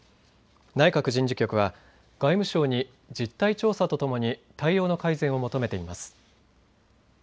内閣人事局は外務省に実態調査とともに対応の改善を求めています。